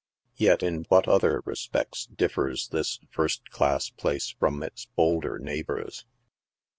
Yet in what other respects differs this first class place from its bolder neighbors